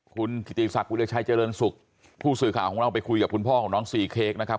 คุณกิติศักดิชัยเจริญสุขผู้สื่อข่าวของเราไปคุยกับคุณพ่อของน้องซีเค้กนะครับ